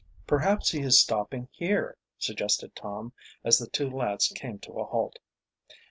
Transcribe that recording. "Perhaps he is stopping here," suggested Tom, as the two lads came to a halt.